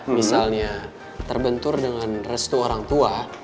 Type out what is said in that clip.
misalnya terbentur dengan restu orang tua